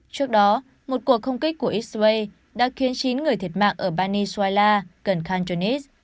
trước đó một cuộc không kích của israel đã khiến chín người thiệt mạng ở baniswala gần khantanis